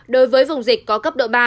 đối với vùng dịch có cấp độ ba